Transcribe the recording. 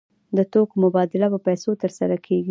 د توکو مبادله په پیسو ترسره کیږي.